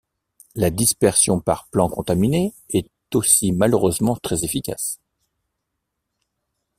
La dispersion par plants contaminés est aussi malheureusement très efficace.